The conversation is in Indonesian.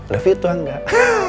love you tau nggak